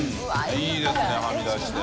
いいですねはみ出して。